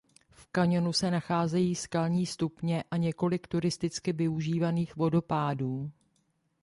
V kaňonu se nacházejí skalní stupně a několik turisticky využívaných vodopádů.